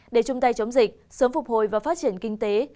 để chung tay chống dịch sớm phục hồi và phát triển kinh tế